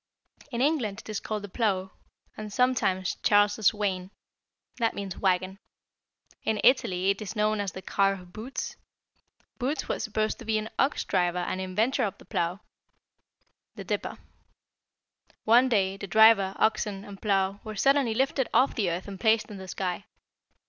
In England it is called the 'Plow' and sometimes 'Charles's Wain.' That means wagon. In Italy it is known as the 'Car of Bootes.' Bootes was supposed to be an ox driver and inventor of the plow the Dipper. One day the driver, oxen, and plow were suddenly lifted off the earth and placed in the sky.